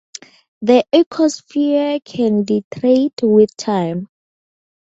The Ecosphere can degrade with time.